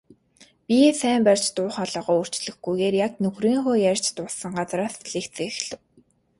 Биеэ сайн барьж, дуу хоолойгоо өөрчлөлгүйгээр яг нөхрийнхөө ярьж дууссан газраас лекцээ эхлэв.